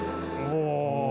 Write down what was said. おお。